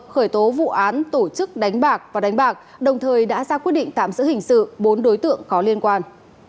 khởi tố vụ án tổ chức đánh bạc và đánh bạc đồng thời đã ra quyết định tạm giữ hình sự bốn đối tượng có liên quan